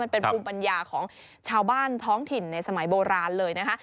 เป็นภูมิปัญญาของชาวบ้านท้องถิ่นในสมัยโบราณเลยนะคะ